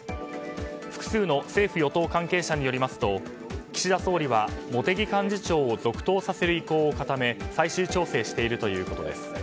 複数の政府・与党関係者によりますと、岸田総理は茂木幹事長を続投させる意向を固め最終調整しているということです。